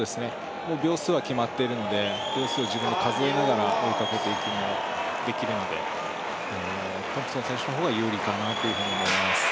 秒数は決まってるので自分で数えながら追いかけていくことができるのでトンプソン選手の方が有利かなと思います。